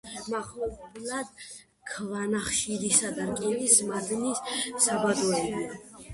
ქალაქის მახლობლად ქვანახშირისა და რკინის მადნის საბადოებია.